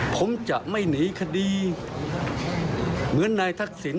ผมจะไม่หนีคดีเหมือนนายทักษิณ